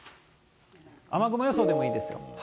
雨雲予想でもいいです。